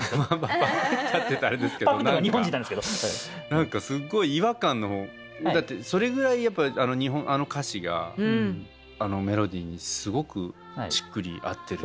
何かすごい違和感だってそれぐらいやっぱりあの歌詞があのメロディーにすごくしっくり合ってるし。